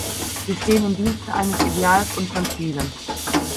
Sie stehen im Dienste eines Ideals und von Zielen.